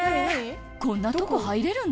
こんなとこ入れるの？